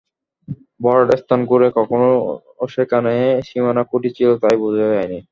ভরাট স্থান ঘুরে কখনো সেখানে সীমানা খুঁটি ছিল, তা-ই বোঝা যায়নি।